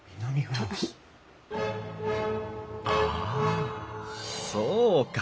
ああそうか。